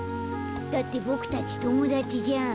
だってボクたちともだちじゃん。